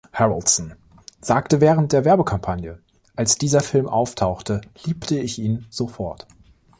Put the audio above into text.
Harrelson sagte während der Werbekampagne: Als dieser Film auftauchte, liebte ich ihn sofort.